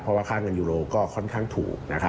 เพราะว่าค่าเงินยูโรก็ค่อนข้างถูก